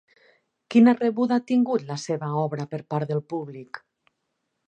Quina rebuda ha tingut la seva obra per part del públic?